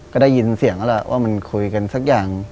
ก็ได้ยินเสียงแล้วแหละว่ามันคุยกันสักอย่าง